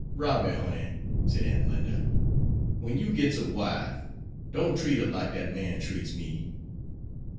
"Robby, honey," said Aunt Linda, "when you gits a wife, don't treat her like dat man treats me."